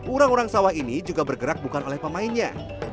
orang orang sawah ini juga bergerak bukan oleh pemainnya